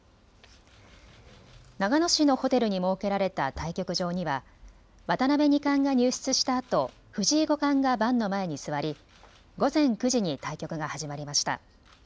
長野市のホテルに設けられた対局場には渡辺二冠が入室したあと、藤井五冠が盤の前に座り、午前９時に対局が始まりました。